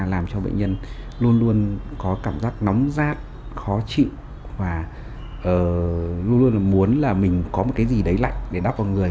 làm cho bệnh nhân luôn luôn có cảm giác nóng rát khó chịu và luôn luôn muốn là mình có một cái gì đấy lạnh để đắp vào người